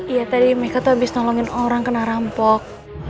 iya tadi meka tuh abis nolongin orang kena rampok